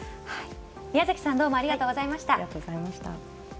宮崎さんどうもありがとうございました。